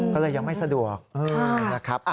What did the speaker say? ก็เลยยังไม่สะดวกนะครับ